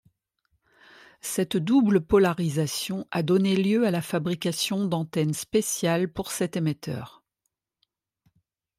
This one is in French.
Cette double polarisation a donné lieu à la fabrication d'antennes spéciales pour cet émetteur.